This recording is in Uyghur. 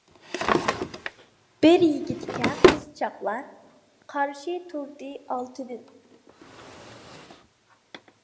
بىر يىگىتكە قىزچاقلار، قارشى تۇردى ئالتىدىن.